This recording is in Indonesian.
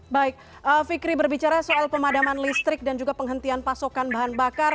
baik fikri berbicara soal pemadaman listrik dan juga penghentian pasokan bahan bakar